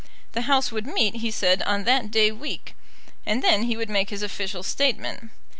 The House would meet, he said, on that day week, and then he would make his official statement.